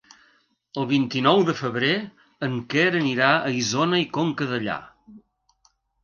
El vint-i-nou de febrer en Quer anirà a Isona i Conca Dellà.